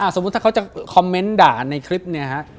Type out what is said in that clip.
สมมุติถ้าเขาจะคอมเมนต์ด่าในคลิปเนี่ยฮะ